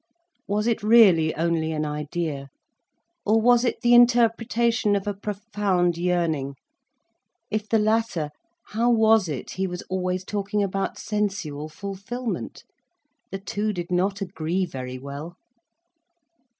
Was it really only an idea, or was it the interpretation of a profound yearning? If the latter, how was it he was always talking about sensual fulfilment? The two did not agree very well.